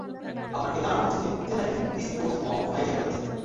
আপনাকে জানানো হচ্ছে যে, চেন্নাইয়ের ইস্ট কোস্ট মল হাইজ্যাক হয়েছে।